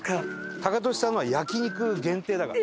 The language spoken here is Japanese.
タカトシさんのは焼肉限定だから。